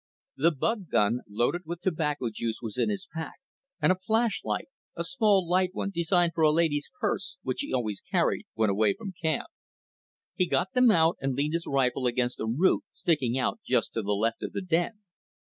The bug gun loaded with tobacco juice was in his pack, and a flashlight, a small light one designed for a lady's purse which he always carried when away from camp. He got them out and leaned his rifle against a root sticking out just to the left of the den.